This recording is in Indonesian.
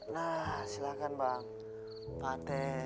nah silahkan bang paten